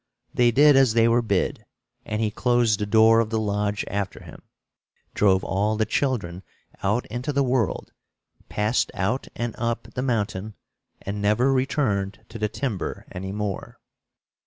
They did as they were bid, and he closed the door of the lodge after him, drove all the children out into the world, passed out and up the mountain and never returned to the timber any more.